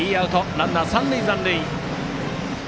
ランナー、三塁残塁。